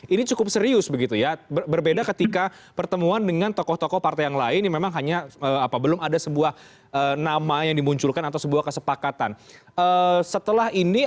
ini cukup serius begitu ya berbeda ketika pertemuan dengan tokoh tokoh partai yang lain